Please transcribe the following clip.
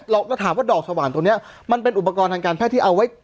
เราก็ถามว่าดอกสว่างตัวนี้มันเป็นอุปกรณ์ทางการแพทย์ที่เอาไว้